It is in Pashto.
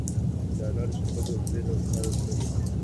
د انارو شربت د تندې لپاره ښه دی.